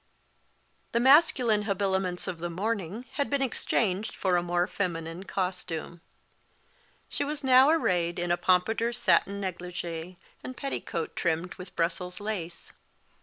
The masculine habiliments of the morning had been exchanged for a more feminine costume. She was now arrayed in a pompadour satin négligée, and petticoat trimmed with Brussels lace.